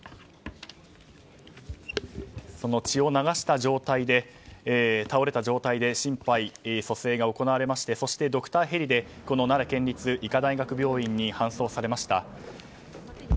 血を流した状態で倒れた状態で心肺蘇生が行われましてドクターヘリでこの奈良県立医科大学病院に搬送されました。